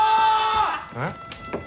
えっ？